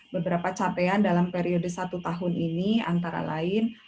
beberapa capaian dalam periode satu tahun ini antara lain